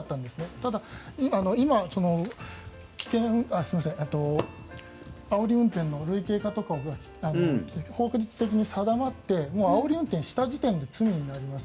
ただ、今、あおり運転の類型が法律的に定まってあおり運転をした時点で罪になります。